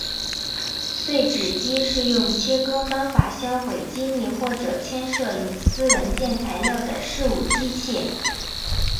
碎纸机是用切割方法销毁机密或者牵涉隐私文件材料的事务机器。